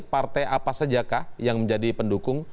partai apa saja kah yang menjadi pendukung